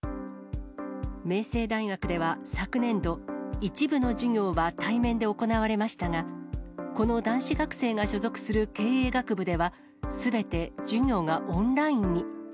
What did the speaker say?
明星大学では、昨年度、一部の授業は対面で行われましたが、この男子学生が所属する経営学部では、すべて授業がオンラインに。